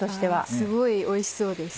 すごいおいしそうです。